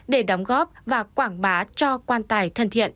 để đóng góp và quảng bá cho quan tài thân thiện